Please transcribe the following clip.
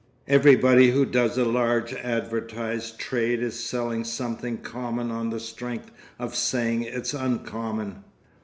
Everybody who does a large advertised trade is selling something common on the strength of saying it's uncommon.